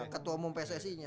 ketua umum pssi nya